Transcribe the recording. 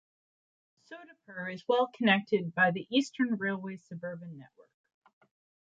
Sodepur is well connected by the Eastern Railway suburban network.